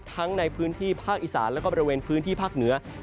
ทั้งในพื้นที่ภาคอีสานแล้วก็บริเวณพื้นที่ภาคเหนือ